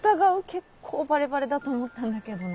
結構バレバレだと思ったんだけどな。